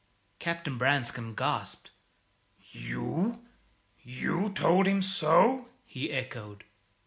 Captain Branscome gasped. "You you told him so?" he echoed.